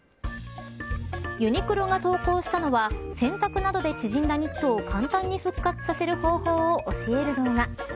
ユニクロが投稿したのは洗濯などで縮んだニットを簡単に復活させる方法を教える動画。